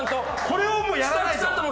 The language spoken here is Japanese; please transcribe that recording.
これはもうやらないと。